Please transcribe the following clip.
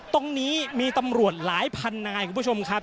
ตรงนี้มีตำรวจหลายพันนายคุณผู้ชมครับ